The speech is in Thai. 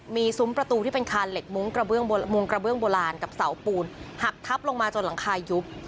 มุมกระเบื้องโบราณกับเสาปูนหักทับลงมาจนหลังคายุบ